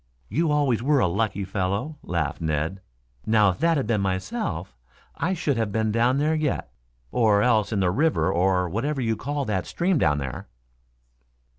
"You always were a lucky fellow," laughed Ned. "Now if that had been myself I should have been down there yet, or else in the river or whatever you call that stream down there."